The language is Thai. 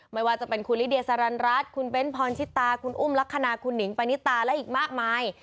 ไม่ว่าจะเป็นคุณลิเดียสารันรัฐคุณเบ้นพรชิตาคุณอุ้มลักษณะคุณหนิงปณิตาและอีกมากมาย